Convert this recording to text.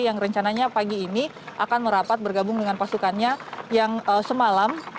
yang rencananya pagi ini akan merapat bergabung dengan pasukannya yang semalam